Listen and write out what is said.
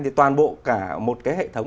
thì toàn bộ cả một cái hệ thống